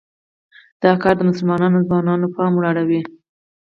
دا کار د مسلمانو ځوانانو پام واړوي.